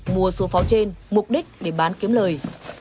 mua số pháo trên mục đích để bán kiếm lời